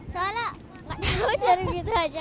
soalnya nggak tahu seru gitu aja